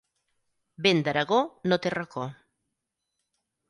Vent d'Aragó no té racó.